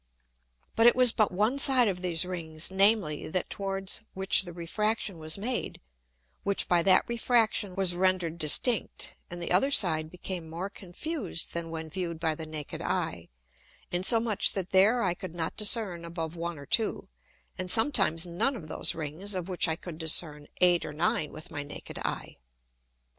] But it was but one side of these Rings, namely, that towards which the Refraction was made, which by that Refraction was render'd distinct, and the other side became more confused than when view'd by the naked Eye, insomuch that there I could not discern above one or two, and sometimes none of those Rings, of which I could discern eight or nine with my naked Eye.